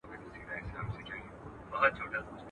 تاسو بايد د پوهي په ارزښت په پوره توګه خبر واوسئ.